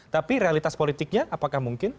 tapi realitas politiknya apakah mungkin